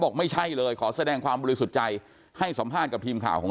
บอกไม่ใช่เลยขอแสดงความบริสุทธิ์ใจให้สัมภาษณ์กับทีมข่าวของเรา